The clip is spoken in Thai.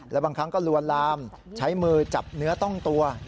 แล้วบางครั้งก็ลวนลามใช้มือจับเนื้อต้องตัว